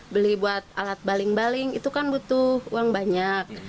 beli buat alat baling baling itu kan butuh uang banyak